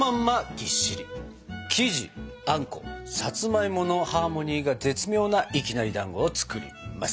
生地あんこさつまいものハーモニーが絶妙ないきなりだんごを作ります！